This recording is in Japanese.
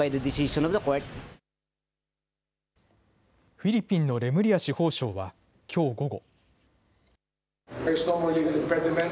フィリピンのレムリア司法相はきょう午後。